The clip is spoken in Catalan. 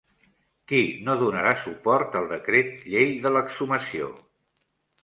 Qui no donarà suport al decret llei de l'exhumació?